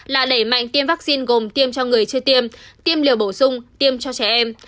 là đẩy mạnh tiêm vaccine gồm tiêm cho người chưa tiêm tiêm liều bổ sung tiêm cho trẻ em